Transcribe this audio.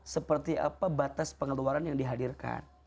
seperti apa batas pengeluaran yang dihadirkan